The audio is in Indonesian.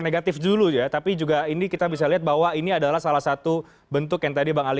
negatif dulu ya tapi juga ini kita bisa lihat bahwa ini adalah salah satu bentuk yang tadi bang ali